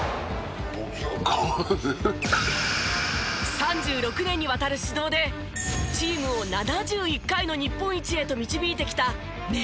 ３６年にわたる指導でチームを７１回の日本一へと導いてきた名将。